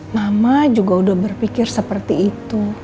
mama juga udah berpikir seperti itu